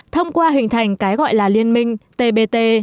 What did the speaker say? thông qua hình thành cái gọi là liên minh tbt